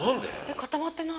固まってない。